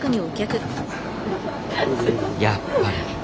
やっぱり。